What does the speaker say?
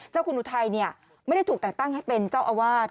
เจ้าคุณอุทัยไม่ได้ถูกแต่งตั้งให้เป็นเจ้าอาวาส